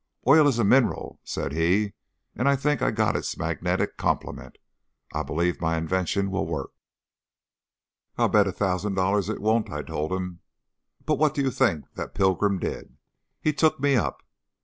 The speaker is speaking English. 'Oil is a mineral,' said he, 'and I think I've got its magnetic complement. I believe my invention will work.' "'I'll bet a thousand dollars it won't,' I told him. But what do you think that pilgrim did? He took me up.